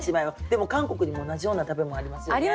でも韓国にも同じような食べ物ありますよね？